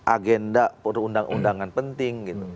agenda perundangan undangan penting